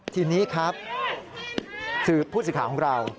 ทีนี้ครับคือผู้สิทธิ์ของเรา